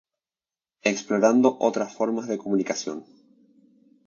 Explorando otras formas de comunicación".